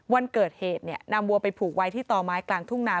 วันเกิดเหตุเนี่ยนำวัวไปผูกไว้ที่ต่อไม้กลางทุ่งนา